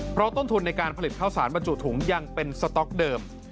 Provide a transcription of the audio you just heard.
เพราะต้นทุนในการผลิตข้าวสารบรรจุถุงยังเป็นสต๊อกเดิม